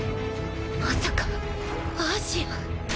まさかアーシアン？